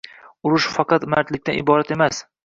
Urush faqat mardlikdan iborat emas